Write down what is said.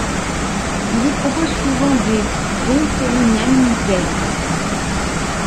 Il y propose souvent des ' dont Eminem vs.